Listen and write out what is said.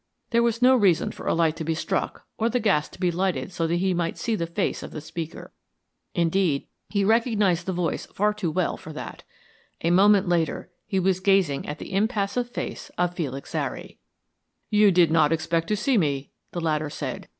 There was no reason for a light to be struck or the gas to be lighted so that he might see the face of the speaker. Indeed, he recognised the voice far too well for that. A moment later, he was gazing at the impassive face of Felix Zary. "You did not expect to see me," the latter said.